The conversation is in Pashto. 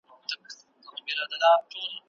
کورنۍ د ټولنې لومړنی ښوونځی دی.